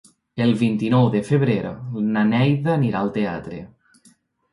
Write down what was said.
El vint-i-nou de febrer na Neida anirà al teatre.